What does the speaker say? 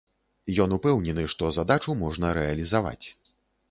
Ён упэўнены, што задачу можна рэалізаваць.